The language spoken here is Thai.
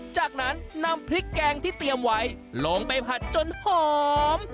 จากนั้นนำพริกแกงที่เตรียมไว้ลงไปผัดจนหอม